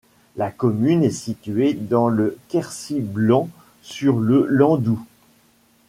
La commune est située dans le Quercy blanc sur le Lendou.